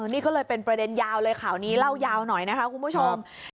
นี่ก็เลยเป็นประเด็นยาวเลยข่าวนี้เล่ายาวหน่อยนะคะคุณผู้ชม